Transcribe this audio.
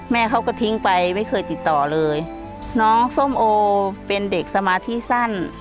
แม่เขาก็ทิ้งไปไม่เคยติดต่อเลยน้องส้มโอเป็นเด็กสมาธิสั้น